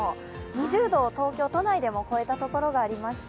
２０度を東京都内でも超えた所がありました。